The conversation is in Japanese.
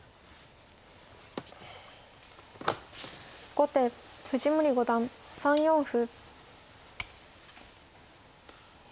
後手藤森五段３四歩。